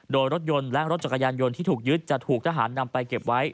โดยรถยนต์และรถจักรยานยนต์ที่ถูกยึดจะถูกทหารนำไปเก็บไว้